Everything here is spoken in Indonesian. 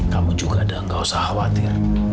kamu juga ada gak usah khawatir